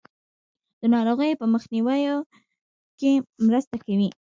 د ناروغیو په مخنیوي کې مرسته کوي.